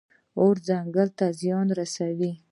اور ځنګل ته زیان رسوي.